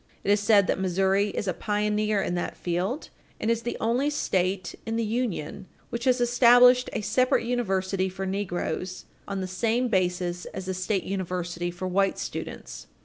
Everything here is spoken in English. It is said that Missouri is a pioneer in that field and is the only State in the Union which has established a separate university for negroes on the same basis as the state university for white students.